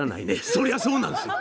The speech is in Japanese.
そりゃそうなんです。